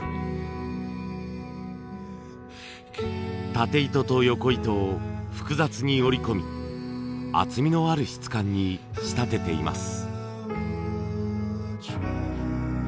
タテ糸とヨコ糸を複雑に織り込み厚みのある質感に仕立てています。